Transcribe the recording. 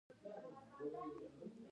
د لوګر په خوشي کې د مسو نښې شته.